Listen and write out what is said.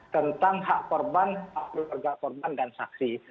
tentang hak korban hak keluarga korban dan saksi